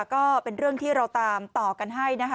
ก็เป็นเรื่องที่เราตามต่อกันให้นะคะ